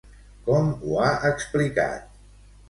Com ho ha explicat?